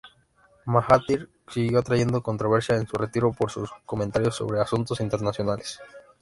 Mahathir siguió atrayendo controversia en su retiro por sus comentarios sobre asuntos internacionales.